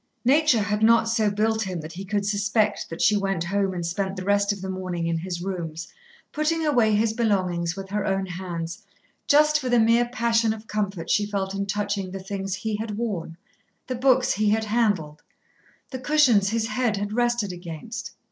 Nature had not so built him that he could suspect that she went home and spent the rest of the morning in his rooms, putting away his belongings with her own hands, just for the mere passion of comfort she felt in touching the things he had worn, the books he had handled, the cushions his head had rested against.